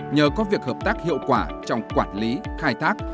nhờ có việc hợp tác hiệu quả trong quản lý khai thác